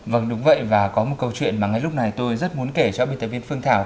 vâng đúng vậy và có một câu chuyện mà ngay lúc này tôi rất muốn kể cho biên tập viên phương thảo